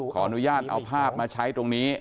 ขออนุญาตเอาภาพมาใช้ตรงนี้